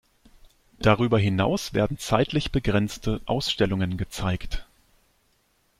Darüber hinaus werden zeitlich begrenzte Ausstellungen gezeigt.